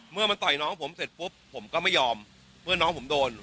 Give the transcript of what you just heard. เมื่อมันต่อยน้องผมเสร็จปุ๊บผมก็ไม่ยอมเมื่อน้องผมโดน